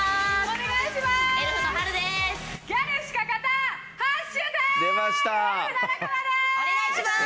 お願いします。